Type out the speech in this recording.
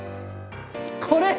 これ。